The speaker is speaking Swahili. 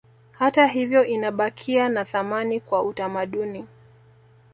Hata hivyo inabakia na thamani kwa utamaduni